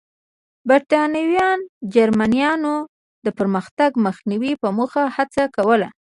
برېټانویانو د جرمنییانو د پرمختګ مخنیوي په موخه هڅه کوله.